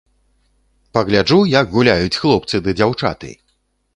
Пагляджу, як гуляюць хлопцы ды дзяўчаты!